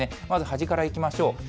まず端からいきましょう。